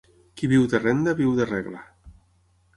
Qui viu de renda, viu de regla.